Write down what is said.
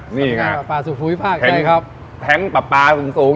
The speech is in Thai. หญ้งแข็งประปาสูง